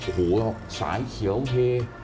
หูสายเขียวเฮ